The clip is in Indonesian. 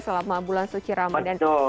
selama bulan suci ramadhan